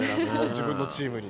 自分のチームに。